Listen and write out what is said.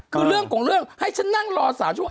คือเรื่องของเรื่องให้ฉันนั่งรอ๓ชั่วโมง